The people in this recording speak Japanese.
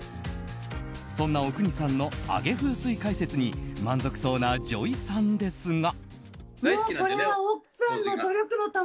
そんな阿国さんの上げ風水解説に満足そうなＪＯＹさんですが。